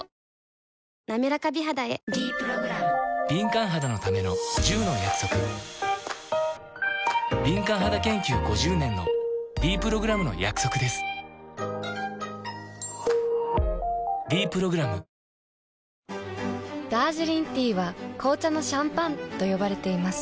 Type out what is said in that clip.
なめらか美肌へ「ｄプログラム」敏感肌研究５０年のｄプログラムの約束です「ｄプログラム」ダージリンティーは紅茶のシャンパンと呼ばれています。